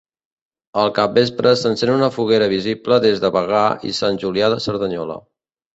Al capvespre s'encén una foguera visible des de Bagà i Sant Julià de Cerdanyola.